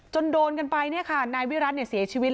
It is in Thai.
โดนกันไปเนี่ยค่ะนายวิรัติเสียชีวิต